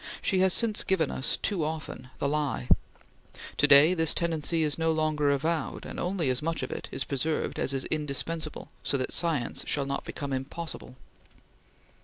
She has since given us too often the lie. To day this tendency is no longer avowed, and only as much of it is preserved as is indispensable so that science shall not become impossible."